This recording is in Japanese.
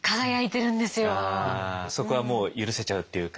そこはもう許せちゃうっていうか。